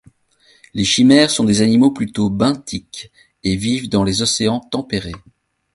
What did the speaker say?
Les Chimères sont des animaux plutôt benthiques et vivent dans les océans tempérés.